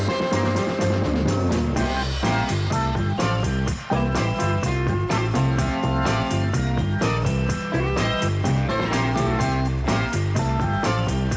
อุ๊ดเดินมา